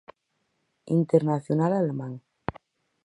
Internacional alemán.